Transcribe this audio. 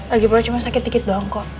lagi lagi cuma sakit dikit doang kok